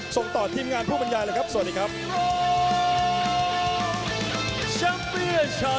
ส่งต่อทีมงานผู้บรรยายเลยครับสวัสดีครับ